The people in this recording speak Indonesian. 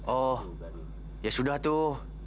oh ya sudah tuh